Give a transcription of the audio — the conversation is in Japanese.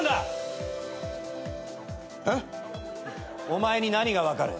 お前に何が分かる。